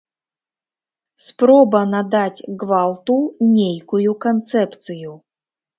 Спроба надаць гвалту нейкую канцэпцыю.